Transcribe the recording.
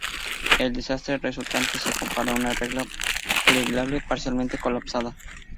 El desastre resultante se comparó a una regla plegable parcialmente colapsada.